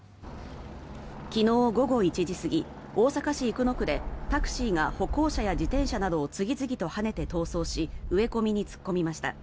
昨日午後１時過ぎ大阪市生野区でタクシーが歩行者や自転車などを次々とはねて逃走し植え込みに突っ込みました。